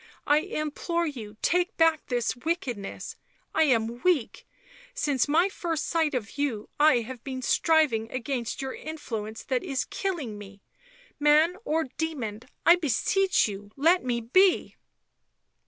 " I implore you take back this wickedness, I am weak; since my first sight of you I have been striving against your influence that is killing me; man or demon, I beseech you, let me be